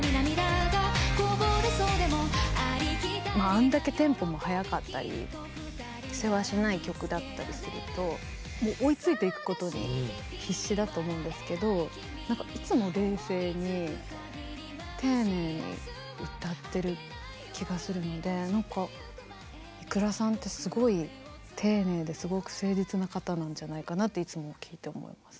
あんだけテンポも速かったりせわしない曲だったりするともう追いついていくことに必死だと思うんですけどいつも冷静に丁寧に歌ってる気がするので何かｉｋｕｒａさんってすごい丁寧ですごく誠実な方なんじゃないかなっていつも聴いて思います。